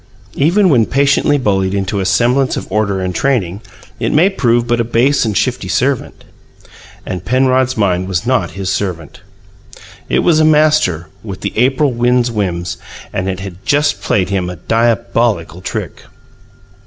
Even when patiently bullied into a semblance of order and training, it may prove but a base and shifty servant. And Penrod's mind was not his servant; it was a master, with the April wind's whims; and it had just played him a diabolical trick.